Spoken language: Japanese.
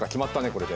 これで。